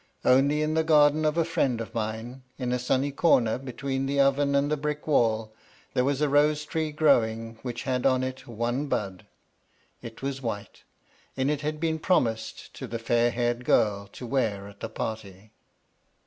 Only in the garden of a friend of mine, in a sunny corner between the oven and the brick wall, there was a rose tree growing which had on it one bud. It was white, and it had been promised to the fair haired girl to wear at the party.